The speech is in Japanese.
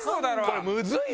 これむずいわ。